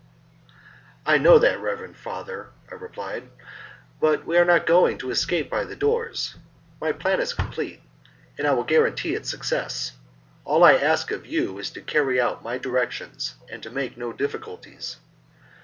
"I know that, reverend father," I replied, "but we are not going to escape by the doors. My plan is complete, and I will guarantee its success. All I ask of you is to carry out my directions, and to make no difficulties.